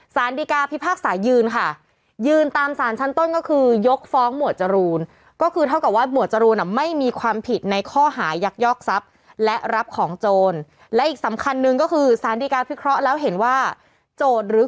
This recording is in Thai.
สารดิกาพิพากษายืนค่ะยืนตามศาลชั้นต้นก็คือยกฟ้องหมวดจรูล